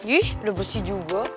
ih udah bersih juga